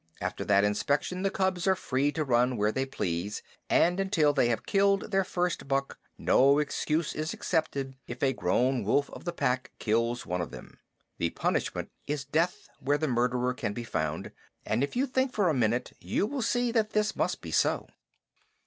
After that inspection the cubs are free to run where they please, and until they have killed their first buck no excuse is accepted if a grown wolf of the Pack kills one of them. The punishment is death where the murderer can be found; and if you think for a minute you will see that this must be so.